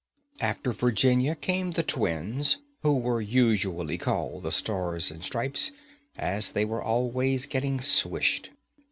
After Virginia came the twins, who were usually called "The Star and Stripes," as they were always getting swished.